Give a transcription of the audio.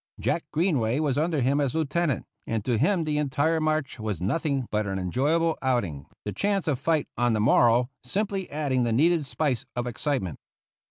Jack Greenway was under him as lieutenant, and to him the entire march was nothing but an enjoyable outing, the chance of fight on the morrow simply adding the needed spice of excitement.